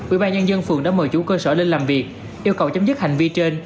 ubnd phường đã mời chủ cơ sở lên làm việc yêu cầu chấm dứt hành vi trên